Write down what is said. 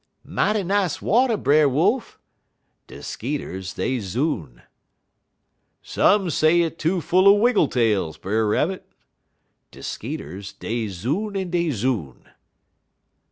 "'Mighty nice water, Brer Wolf.' (De skeeters dey zoon.) "'Some say it too full er wiggletails, Brer Rabbit.' (_De skeeters, dey zoon en dey zoon.